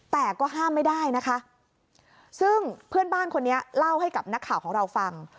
แต่ก็ห้ามไม่ได้นะคะซึ่งเพื่อนบ้านคนนี้เล่าให้กับนักข่าวของเราฟัง